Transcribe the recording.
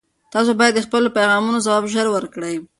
تاسي باید د خپلو پیغامونو ځواب ژر ورکړئ.